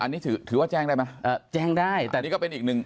อันนี้ถือว่าแจ้งได้ไหมแจ้งได้แต่นี่ก็เป็นอีกหนึ่ง